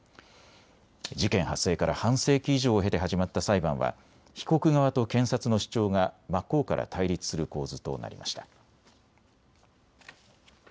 事件発生から半世紀以上を経て始まった裁判は被告側と検察の主張が真っ向から対立する構図となりました。